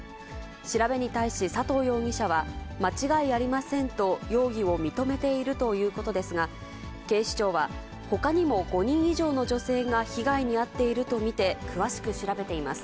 調べに対し、佐藤容疑者は、間違いありませんと容疑を認めているということですが、警視庁は、ほかにも５人以上の女性が被害に遭っていると見て、詳しく調べています。